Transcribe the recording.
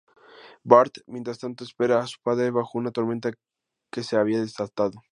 Bart, mientras tanto, espera a su padre, bajo una tormenta que se había desatado.